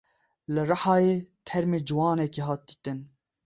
Li Rihayê termê ciwanekî hat dîtin.